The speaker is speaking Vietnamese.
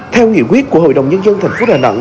theo nghị quyết của hội đồng nhân dân tp đà nẵng